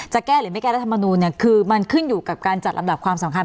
จะแก้หรือไม่แก้รัฐมนูลคือมันขึ้นอยู่กับการจัดลำดับความสำคัญ